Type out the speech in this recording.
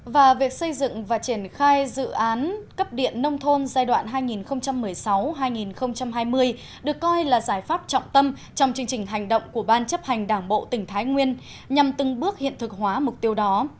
và việc xây dựng và triển khai dự án cấp điện nông thôn giai đoạn hai nghìn một mươi sáu hai nghìn hai mươi được coi là giải pháp trọng tâm trong chương trình hành động của ban chấp hành đảng bộ tỉnh thái nguyên nhằm từng bước hiện thực hóa mục tiêu đó